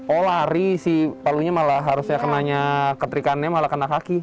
oh lari si palunya malah harusnya kenanya ketrikannya malah kena kaki